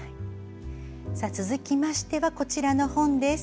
続きましてこちらの本です。